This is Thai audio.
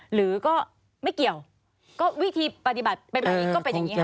หรือไม่ก็ไม่เกี่ยวก็วิธีปฏิบัติเป็นแบบนี้ก็เป็นอย่างนี้ค่ะ